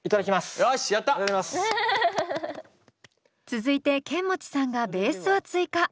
続いてケンモチさんがベースを追加。